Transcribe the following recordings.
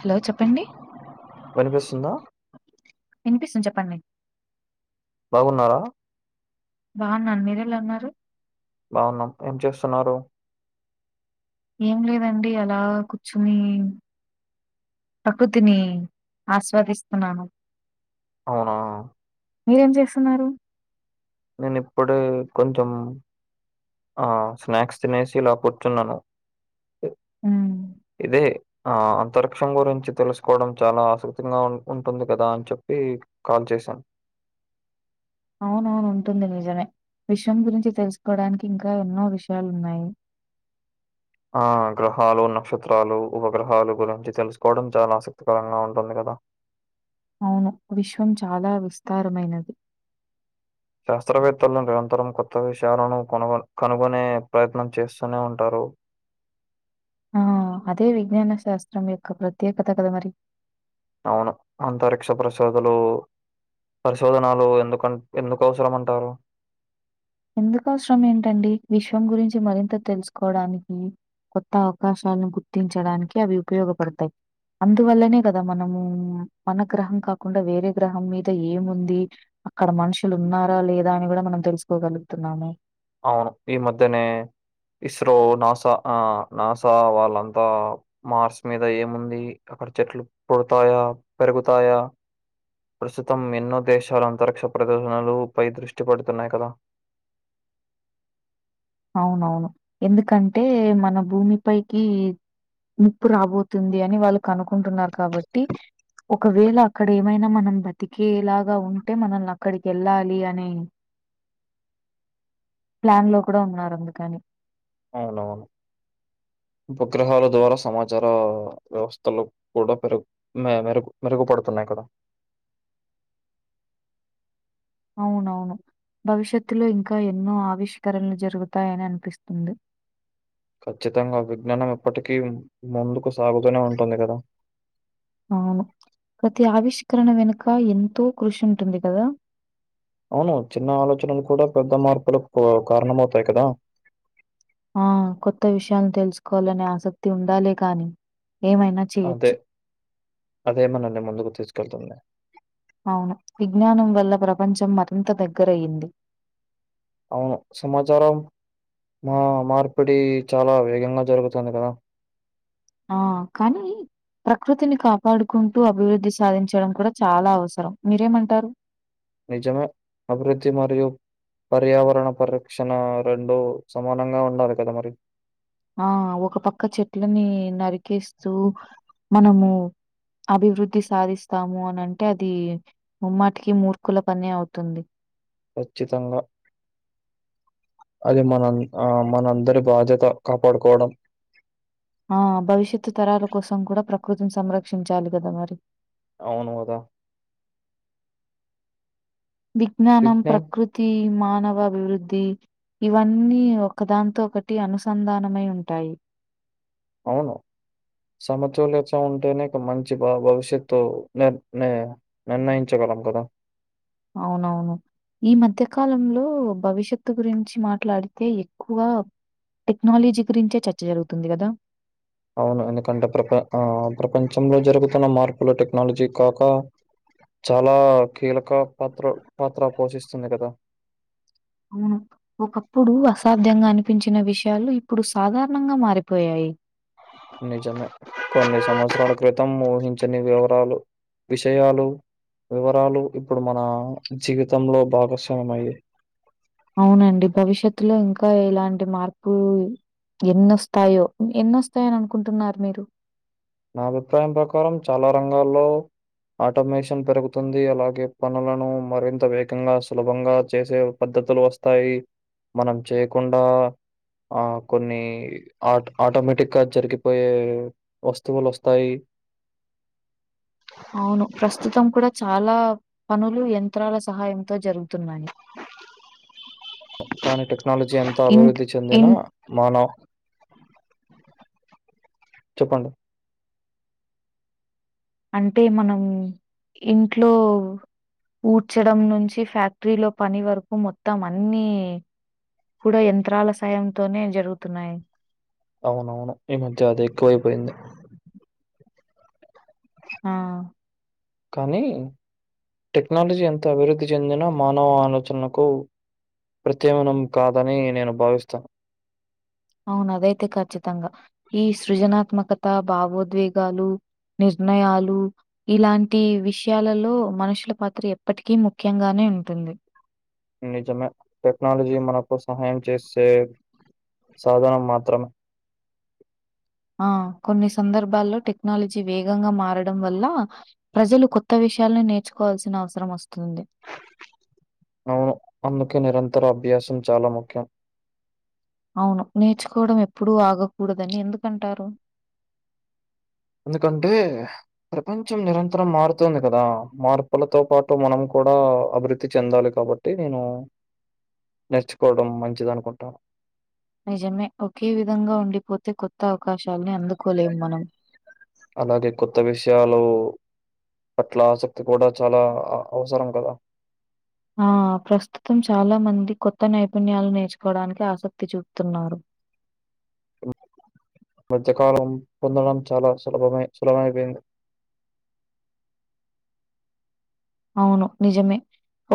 Hello చెప్పండి వినిపిస్తుందా? వినిపిస్తును చెప్పండి బాగున్నారా బాగున్నా మీరులా అన్నారు బావున్నా ఏం చేస్తున్నారు ఏం లేదండి అలా కూర్చుని ప్రకృతిని ఆస్వాదిస్తున్నాను అవునా మీరేం చేస్తున్నారు నేను ఇప్పుడే కొంచం ఆ స్నాక్స్ తినేసి ఇలా కూర్చున్నాను హ్మ్. ఇదే ఆ అంతరిక్షం గురించి తెలుసుకోవడం చాలా ఆసక్తింగా ఉన్ ఉంటుంది గదా అని చెప్పి కాల్ చేసాన్ అవునవును ఉంటుంది నిజమే, విశ్వం గురించి తెలుసుకోవడానికి ఇంకా ఎన్నో విషయాలున్నాయి ఆ గ్రహాలు, నక్షత్రాలు, ఉపగ్రహాలు గురించి తెలుసుకోవడం చాలా ఆసక్తికరంగా ఉంటుంది గదా అవును విశ్వం చాలా విస్తారమైనది. శాస్త్రవేత్తలు నిరంతరం కొత్త విషయాలను కొను కనుగొనే ప్రయత్నం చేస్తూనే ఉంటారు. ఉ ఆ అదే విజ్ఞాన శాస్త్రం యొక్క ప్రత్యేకత కదా మరి. అవును అంతరిక్ష ప్రశోదలు పరిశోధనాలు ఎందుకన్ ఎందుకు అవసరం అంటారు ఎందుకు అవసరం ఏంటండి? విశ్వం గురించి మరింత తెలుసుకోవడానికి కొత్త అవకాశాల్ను గుర్తించడానికి అవి ఉపయోగపడతయి. అందువల్లనే కదా మనమూ మన గ్రహం కాకుండా వేరే గ్రహం మీద ఏముంది అక్కడ మనుషులు ఉన్నారా లేదా అని గుడా మనం తెలుసుకోగలుగుతున్నాము. అవును ఈ మధ్యనే ఇస్రో నాసా ఆ నాసా వాళ్ళంతా మార్స్ మీద ఏముంది? క్కడ చెట్లు పుడతాయా, పెరుగుతాయా? ప్రస్తుతం ఎన్నో దేశాలు అంతరిక్ష ప్రదర్శనలు పై దృష్టి పెడుతున్నాయి కదా అవునవును, ఎందుకంటే మన భూమి పైకి నిప్పు రాబోతుంది అని వాళ్ళు కనుకుంటున్నారు కాబట్టి ఒకవేళ అక్కడేమైనా మనం బతికేలాగా ఉంటే మనల్నక్కడికి వెళ్ళాలి అనే ప్లాన్ లో కూడా ఉన్నారు అందుకని అవునవును ఉపగ్రహాల ద్వారా సమాచారా వ్యవస్థలు కూడా పెరుగు మే మెరుగు మెరుగుపడుతున్నాయి క్కడ అవునవును భవిష్యత్తులో ఇంకా ఎన్నో ఆవిష్కరణలు జరుగుతాయని అనిపిస్తుంది. ఖచ్చితంగా విజ్ఞానం ఎప్పటికీ మ్ ముందుకు సాగుతూనే ఉంటుంది గదా అవును ప్రతి ఆవిష్కరణ వెనుక ఎంతో కృషి ఉంటుంది గదా అవును చిన్న ఆలోచనలు కూడా పెద్ద మార్పులకు కారణమవుతాయి కదా. ఆ కొత్త విషయాలు తెలుసుకోవాలనే ఆసక్తి ఉండాలే కాని అంతె అదే మనల్ని ముందుకు తీసుకెళ్తుంది. అవును విజ్ఞానం వల్ల ప్రపంచం మరింత దగ్గరయ్యింది అవును సమాచారం మా మార్పిడి చాలా వేగంగా జరుగుతుంది గదా ఆ కనీ ప్రకృతిని కాపాడుకుంటూ అభివృద్ధి సాధించడం కూడా చాలా అవసరం, మీరేమంటారు? నిజమే అభివృద్ధి మరియు పర్యావరణ పరిరక్షణ రెండు సమానంగా ఉండాలి కద మరి ఆ ఒక పక్క చెట్లని నరికేస్తూ మనము అభివృద్ధి సాధిస్తాము అని అంటే అదీ ముమ్మాటికి మూర్ఖుల పనే అవుతుంది. ఖచ్చితంగా అది మనం ఆ మనందరి బాధ్యత కాపాడుకోవడం. ఆ భవిష్యత్తు తరాల కోసం కూడా ప్రకృతిని సంరక్షించాలి కద మరి అవును గదా విజ్ఞానం, విజ్ఞాన్ ప్రకృతి మానవభివృద్ధి ఇవన్నీ ఒకదానితో ఒకటి అనుసంధానమై ఉంటాయి అవును సమతుల్యత ఉంటేనే మంచి భవిష్యత్తు ని నిర్ణయించగలం కదా అవునవును ఈ మధ్యకాలంలో భవిష్యత్తు గురించి మాట్లాడితే ఎక్కువ టెక్నాలజీ గురించే చర్చ జరుగుతుంది కదా అవును ఎందుకంటే ఆ ప్రపంచంలో జరుగుతున్న మార్పులు టెక్నాలజీ కాక చాలా కీలక పాత్ర పోషిస్తుంది కదా అవును ఒకప్పుడు అసాధ్యంగా అనిపించిన విషయాలు ఇప్పుడు సాధారణంగా మారిపోయాయి నిజమే కొన్ని సంవత్సరాల క్రితం ఊహించని వివరాలు విషయాలు వివరాలు ఇప్పుడు మన జీవితంలో భాగస్వామ్య అయ్యాయి అవునండి భవిష్యత్తులో ఇంకా ఇలాంటి మార్పు ఎన్నోస్తాయో ఎన్నోస్తాయని అనుకుంటున్నారు మీరు నా అభిప్రాయం ప్రకారం చాలా రంగాల్లో ఆటోమేషన్ పెరుగుతుంది అలాగే పనులను మరింత వేగంగా సులభంగా చేసే పద్ధతులు వస్తాయి మనం చేయకుండా ఆ కొన్ని ఆ ఆటోమేటిక్ గా జరిగిపోయే వస్తు వులు వస్తాయి అవును ప్రస్తుతం కూడా చాలా పనులు యంత్రాల సహాయంతో జరుగుతున్నాయి అ కానీ టెక్నాలజీ అంత ఇంట్ అభివృద్ధి చెందినా ఇన్ మనం చెప్పండి అంటే మనం ఇంట్లో ఊడ్చడం నుంచి ఫ్యాక్టరీలో పని వరకు మొత్తం అన్ని కూడా యంత్రాల సాయంతోనే జరుగుతున్నాయి అవునవును ఈ మధ్య అది ఎక్కువైపోయింది ఆ కానీ టెక్నాలజీ ఎంత అభివృద్ధి చెందిన మానవ ఆలోచనకు ప్రత్యమనం కాదని నేను భావిస్తాను అవును అదైతే ఖచ్చితంగా ఈ సృజనాత్మకత భావోద్వేగాలు నిర్ణయాలు ఇలాంటి విషయాలలో మనుషుల పాత్ర ఎప్పటికీ ముఖ్యంగానే ఉంటంది నిజమే టెక్నాలజీ మనకు సహాయం చేస్తది సాధనం మాత్రమే ఆ కొన్ని సందర్భాల్లో టెక్నాలజీ వేగంగా మారడం వల్ల ప్రజలు కొత్త విషయాలను నేర్చుకోవాల్సిన అవసరం వస్తుంది అవును అందుకే నిరంతర అభ్యాసం చాలా ముఖ్యం అవును నేర్చుకోవడం ఎప్పుడూ ఆగకూడదని ఎందుకంటారు ఎందుకంటే ప్రపంచం నిరంతరం మారుతుంది కదా మార్పులతో పాటు మనం కూడా అభివృద్ధి చెందాలి కాబట్టి నేను నేర్చుకోవడం మంచిది అనుకుంటాను నిజమే ఒకే విధంగా ఉండిపోతే కొత్త అవకాశాలని అందుకోలేము మనం అలాగే కొత్త విషయాలు పట్ల ఆసక్తి కూడా చాలా అవసరం కదా ఆ ప్రస్తుతం చాలా మంది కొత్త నైపుణ్యాలు నేర్చుకోవడానికి ఆసక్తి చూపుతున్నారు మ్మ్ [unintelligible] కాలం పొందడం చాలా సులభమై సులభమైపోయింది అవును నిజమే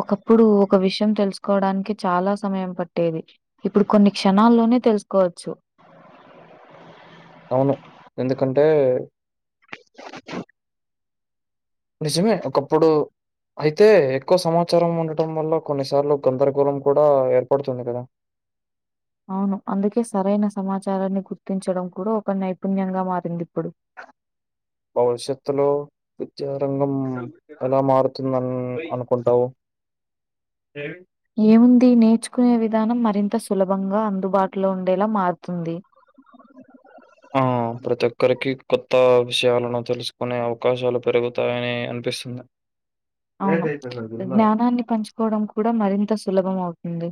ఒకప్పుడు ఒక విషయం తెలుసుకోవడానికి చాలా సమయం పట్టేది ఇప్పుడు కొన్ని క్షణాల్లోనే తెలుసుకోవచ్చు అవును ఎందుకంటే నిజమే ఒకప్పుడు అయితే ఎక్కువ సమాచారం ఉండటం వల్ల కొన్నిసార్లు గందరగోళం కూడా ఏర్పడుతుంది కదా అవును అందుకే సరైన సమాచారాన్ని గుర్తించడం కూడా ఒక నైపుణ్యంగా మారింది ఇప్పుడు ఆ భవిష్యత్తులో విద్యారంగం ఎలా మారుతుందన్ అనుకుంటావు ఏ ఏముంది నేర్చుకునే విధానం మరింత సులభంగా అందుబాటులో ఉండేలా మారుతుంది. ఆ ప్రతి ఒక్కరికి కొత్త విషయాలను తెలుసుకునే అవకాశాలు పెరుగుతాయని అ నిపిస్తుంది అవును జ్ఞానాన్ని పంచుకోవడం కూడా మరింత సులభం అవుతుంది.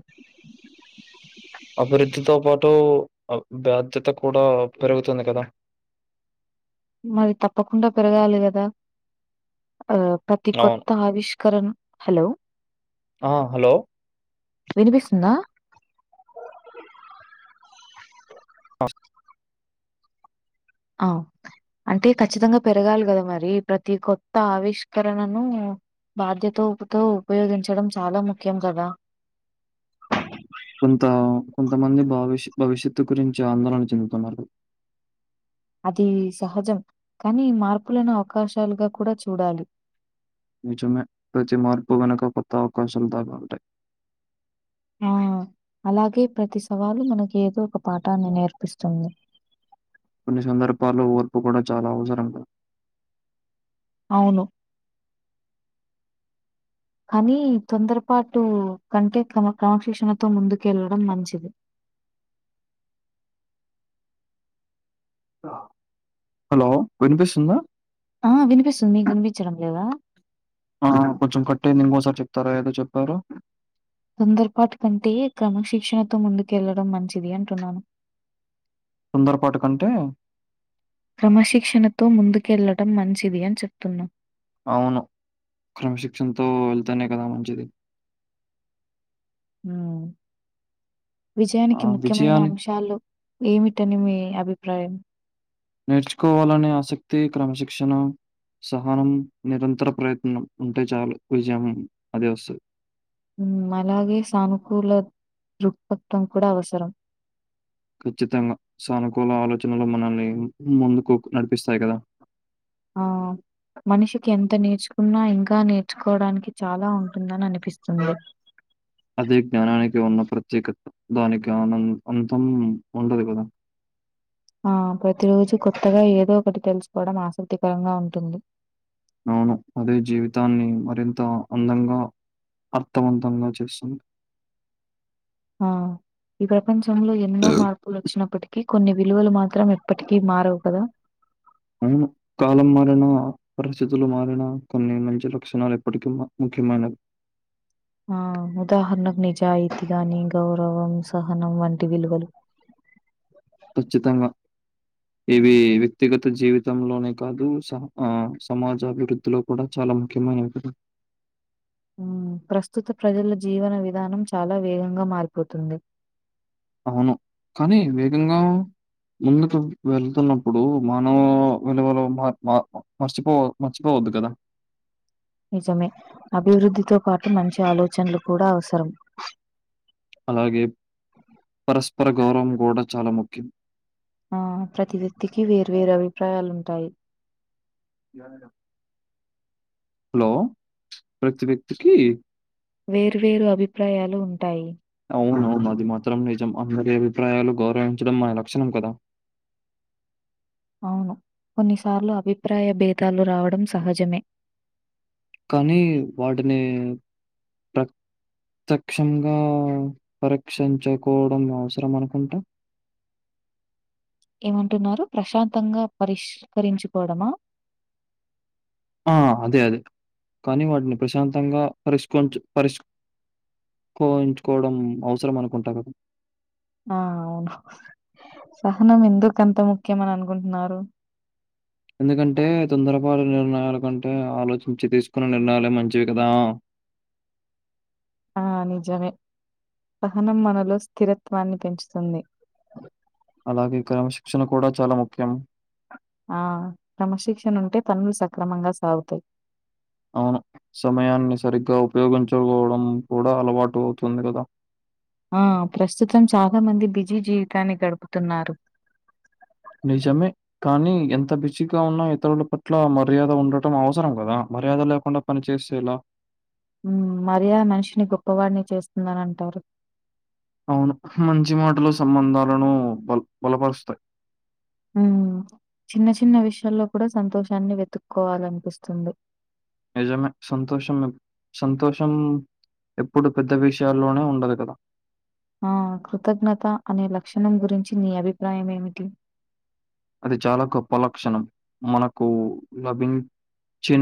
ఓ బాధ్యత కూడా పెరుగుతుంది కదా మరి తప్పకుండా పెరగాలి కదా ఆ ప్రతి అవును. కొత్త ఆవిష్ కరణ హలో ఆ హలో వినిపిస్తుందా ఆ అంటే ఖచ్చితంగా పెరగాలి కదా మరి ప్రతి కొత్త ఆవిష్కరణను బాధ్యతతో ఉపయోగించడం చాలా ముఖ్యం కదా కొంత కొంతమంది భవిష్ భవిష్యత్తు గురించి ఆందోళన చెందుతున్నారు అది సహజం కానీ మార్పులను అవకాశాలుగా కూడా చూడాలి నిజమే ప్రతి మార్పు వెనుక కొత్త అవకాశాలు దాగి ఉంటాయి. ఆ అలాగే ప్రతి సవాలు మనకి ఏదో ఒక పాఠాన్ని నేర్పిస్తుంది. కొన్ని సందర్బాలో ఓర్పు కూడా చాలా అవసరంగా అవును కానీ తొందరపాటు కంటే క్రమ క్రమశిక్షణతో ముందుకెళ్ళడం మంచిది హలో వినిపిస్తుందా ఆ వినిపిస్తుంది మీకు వినిపించడం లేదా ఆ కొంచెం కట్టయింది ఇంకోసారి చెప్తారా ఏదో చెప్పారు తొందరపాటు కంటే క్రమశిక్షణతో ముందుకెళ్లడం మంచిది అంటున్నాను. తొందరపటు కంటే క్రమశిక్షణతో ముందుకెళ్లడం మంచిది అని చెప్తున్నా అవును క్రమశిక్షణతో వెళ్తానే కదా మంచిది ఉ ఆ! విజయానికి ముఖ్యమైన విజయాన్ని అంశాలు ఏమిటాని మీ అభిప్రాయం నేర్చుకోవాలనే ఆసక్తి, క్రమశిక్షణ సహనం నిరంతర ప్రయత్నం ఉంటే చాలు విజయం అదే వస్తది అలాగే సానుకూల దృక్పథం కూడా అవసరం ఖచ్చితంగా సానుకూల ఆలోచనలు మనల్ని ముందుకు నడిపిస్తాయి కదా ఆ మనిషికి ఎంత నేర్చుకున్నా, ఇంకా నేర్చుకోవడానికి చాలా ఉంటుందని అనిపిస్తుంది. అదే జ్ఞానానికి ఉన్న ప్రత్యేకత. దానికి ఆనం అంతం ఉండదు కదా. ఆ ప్రతిరోజు కొత్తగా ఏదో ఒకటి తెలుసుకోవడం ఆసక్తికరంగా ఉంటుంది. అవును అదే జీవితాన్ని మరింత అందంగా అర్థవంతంగా చేస్తుంది. ఆ ఈ ప్రపంచంలో, ఎన్నో మార్పులు వచ్చినప్పటికీ, కొన్ని విలువలు మాత్రం ఎప్పటికీ మారవు కదా! ఉను. కాలం మారినా పరిస్థితులు మారినా కొన్ని మంచి లక్షణాలు ఎప్పటికి మ ఖ్యమైనవి. ఆ ఉదాహరణకు నిజాయితీగాని, గౌరవం, సహనం వంటి విలువలు. ఖచ్చితంగా. ఇవి వ్యక్తిగత జీవితంలోనే కాదు. స ఆ సమాజాభివృద్ధిలో కూడా చా చాల ముఖ్యమైనవి కదా. మ్ ప్రస్తుత ప్రజల జీవన విధానం చాలా వేగంగా మారిపోతుంది. అవును. కానీ వేగంగా, ముందుకు వెళ్తున్నప్పుడు, మానవ విలువలు మ మ మర్చిపో మర్చిపోవ వద్దు కదా! నిజమే అభివృద్ధితో పాటు, మంచి ఆలోచనలు కూడా అవసరం. అలాగే పరస్పర గౌరవం కూడ చాలా ముఖ్యం. ఆ ప్రతి వ్యక్తికి వేర్వేరు అభిప్రాయాలుంటాయి. హలో ప్రతి వ్యక్తికి, వేరు వేరు అభిప్రాయాలు ఉంటాయి. అవునవును అది మాత్రం నిజం. అందరి అభిప్రాయాలు గౌరవించడం మన లక్షణం కదా! అవును కొన్నిసార్లు అభిప్రాయ భేదాలు రావడం సహజమే. కానీ, వాటిని ప్ర త్యక్షంగా పరీక్షించకోవడం అవసరం అనుకుంటా! ఏమంటున్నారు? ప్రశాంతంగా పరిష్కరించుకోవడమా? ఆ అదే అదే. కానీ, వాటిని ప్రశాంతంగా పరిష్కరించు పరిష్ కోయించుకోవడం అవసరం అనుకుంటా కదా! ఆ అవును. సహనం ఎందుకు అంత ముఖ్యం అని అనుకుంటున్నారు? ఎందుకంటే, తొందర పాటు, నిర్ణయాల కంటే, ఆలోచించి తీసుకున్న నిర్ణయాలే మంచివి కదా! ఆ నిజమే. సహనం మనలో స్థిరత్వాన్ని పెంచుతుంది. అలాగే క్రమశిక్షణ కూడా చాలా ముఖ్యం. ఆ క్రమశిక్షణ ఉంటే, పనులు సక్రమంగా సాగుతాయి. అవును. సమయాన్ని సరిగ్గా ఉపయోగించుకోవడం కూడా, అలవాటు అవుతుంది కదా! ఆ ప్రస్తుతం చాలా మంది బిజీ జీవితాన్ని గడుపుతున్నారు. నిజమే కానీ ఎంత బిజీగా ఉన్నా, ఇతరుల పట్ల మర్యాద ఉండటం అవసరం కదా! మర్యాద లేకుండా పని చేస్తే ఎలా? మ్. మర్యాద మనిషిని గొప్పవాడిని చేస్తుందని అంటారు. అవును. మంచి మాటలు సంబంధాలను బల బలపరుస్తాయి. మ్ చిన్న చిన్న విషయాల్లో కూడా, సంతోషాన్ని వెతుక్కోవాలనిపిస్తుంది. నిజమే సంతోషం, సంతోషం. ఎప్పుడు పెద్ద విషయాల్లోనే ఉండదు కదా! ఆ కృతజ్ఞత అనే లక్షణం గురించి నీ అభిప్రాయం ఏమిటి? అది చాలా గొప్ప లక్షణం. మనకు లభించిన